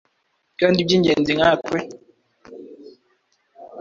kandi by’ingenzi nkatwe.